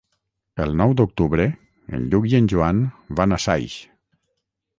El nou d'octubre en Lluc i en Joan van a Saix.